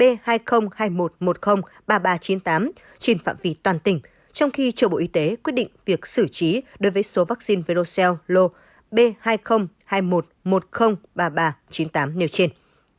verocell lô b hai nghìn hai mươi một ba nghìn ba trăm chín mươi tám trên phạm vi toàn tỉnh trong khi chủ bộ y tế quyết định việc xử trí đối với số vaccine verocell lô b hai nghìn hai mươi một một trăm linh ba nghìn ba trăm chín mươi tám nêu trên